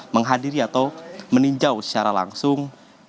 yang hadir ya atau meninjau secara langsung